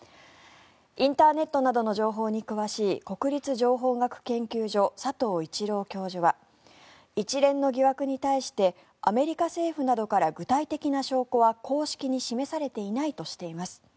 インターネットなどの情報に詳しい国立情報学研究所佐藤一郎教授は一連の疑惑に対してアメリカ政府などから具体的な証拠は公式に示されていないとしています。